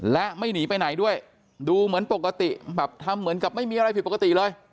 และไม่หนีไปไหนด้วยดูเหมือนปกติแบบทำเหมือนกับไม่มีอะไรผิดปกติเลย